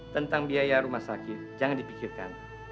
tentang biaya rumah sakit jangan dipikirkan